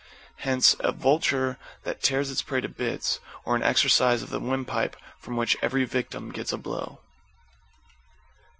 Hence, a vulture that tears its prey to bits, or an exercise of the wind pipe from which every victim gets a blow.